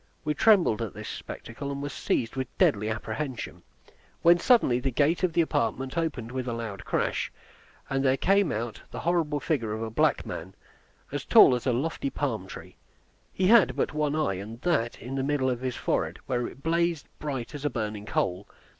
We trembled at this spectacle, and were seized with deadly apprehension, when suddenly the gate of the apartment opened with a loud crash, and there came out the horrible figure of a black man, as tall as a lofty palm tree. He had but one eye, and that in the middle of his forehead, where it blazed bright as a burning coal.